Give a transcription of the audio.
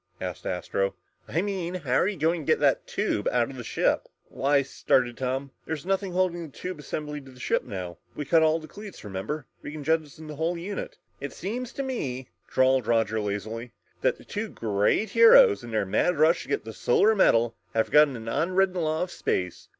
asked Astro. "I mean how are you going to get the tube out of the ship?" "Why," started Tom, "there's nothing holding that tube assembly to the ship now. We cut all the cleats, remember? We can jettison the whole unit!" "It seems to me," drawled Roger lazily, "that the two great heroes in their mad rush for the Solar Medal have forgotten an unwritten law of space.